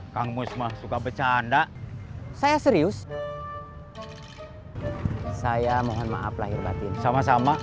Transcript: kang musma suka bercanda saya serius saya mohon maaf lahir batin sama sama